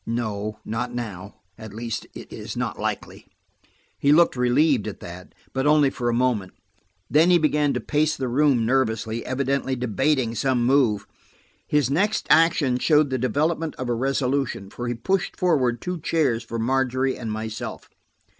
"No, not now–at least, it is not likely." He looked relieved at that, but only for a moment. Then he began to pace the room nervously, evidently debating some move. His next action showed the development of a resolution, for he pushed forward two chairs for Margery and myself.